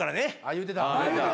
言うてた。